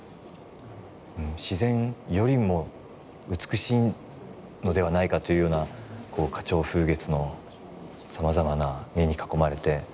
自然よりも美しいのではないかというような花鳥風月のさまざまな絵に囲まれて。